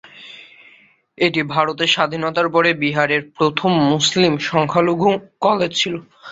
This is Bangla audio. এটি ভারতের স্বাধীনতার পরে বিহারের প্রথম মুসলিম-সংখ্যালঘু কলেজ ছিল।